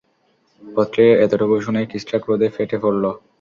পত্রের এতটুকু শুনেই কিসরা ক্রোধে ফেটে পড়ল।